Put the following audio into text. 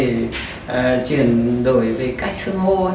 để chuyển đổi về cách sưng hô